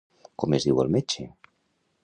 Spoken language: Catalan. Com es diu el metge?